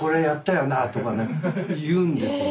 言うんですよね。